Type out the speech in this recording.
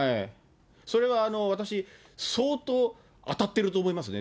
それは私、相当当たっていると思いますね。